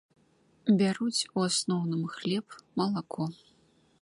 Бяруць у асноўным хлеб, малако.